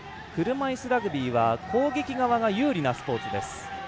車いすラグビーは、攻撃側が有利なスポーツです。